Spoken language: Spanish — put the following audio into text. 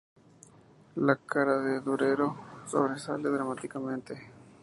La cara de Durero sobresale dramáticamente.